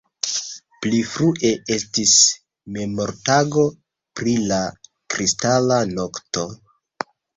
Pli frue estis Memortago pri la kristala nokto.